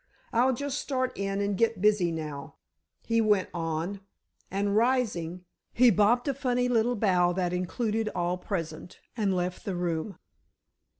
"I'll just start in and get busy now," he went on, and rising, he bobbed a funny little bow that included all present, and left the room.